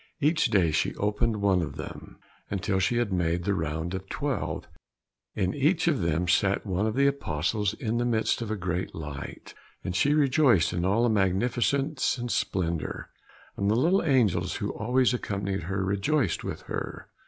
Each day she opened one of them, until she had made the round of the twelve. In each of them sat one of the Apostles in the midst of a great light, and she rejoiced in all the magnificence and splendour, and the little angels who always accompanied her rejoiced with her.